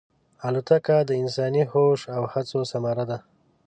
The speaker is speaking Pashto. الوتکه د انساني هوش او هڅو ثمره ده.